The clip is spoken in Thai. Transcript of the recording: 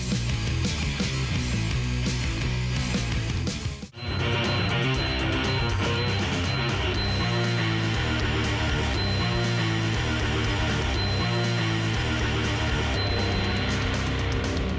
สวัสดีครับทุกคน